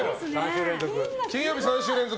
金曜日、３週連続。